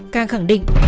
càng khẳng định